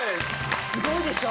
すごいでしょ？